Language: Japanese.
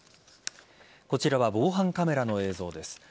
こちらは防犯カメラの映像です。